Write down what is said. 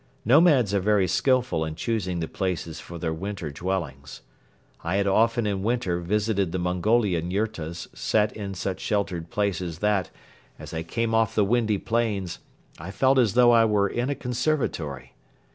Nomads are very skilful in choosing the places for their winter dwellings. I had often in winter visited the Mongolian yurtas set in such sheltered places that, as I came off the windy plains, I felt as though I were in a conservatory.